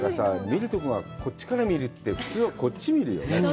見るところがこっちから見るって普通はこっち見るよね。